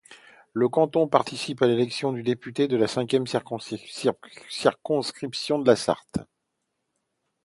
Le canton participe à l'élection du député de la cinquième circonscription de la Sarthe.